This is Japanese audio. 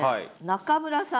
中村さん。